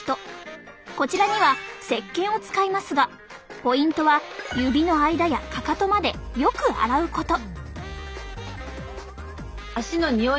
こちらにはせっけんを使いますがポイントは指の間やかかとまでよく洗うこと。